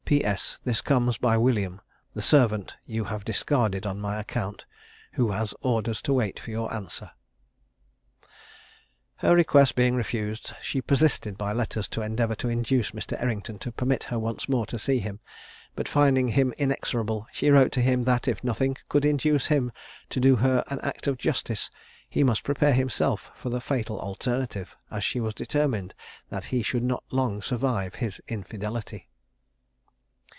"P. S. This comes by William (the servant you have discarded on my account), who has orders to wait for your answer." Her request being refused, she persisted by letters to endeavour to induce Mr. Errington to permit her once more to see him, but finding him inexorable, she wrote to him that if nothing could induce him to do her an act of justice, he must prepare himself for the fatal alternative, as she was determined that he should not long survive his infidelity.